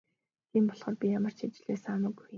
Тийм болохоор би ямар ч ажил байсан хамаагүй хийнэ.